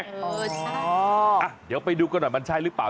เออใช่เดี๋ยวไปดูกันหน่อยมันใช่หรือเปล่า